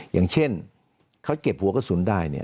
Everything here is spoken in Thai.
อย่างเช่นเขาเจ็บหัวกระสุนได้เนี่ย